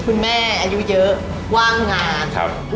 คุณแม่อายุเยอะว่างงาน